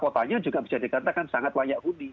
kota kotanya juga bisa dikatakan sangat layak undi